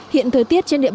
hiện thời tiết trên địa bàn